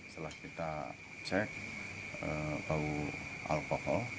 setelah kita cek bau alkohol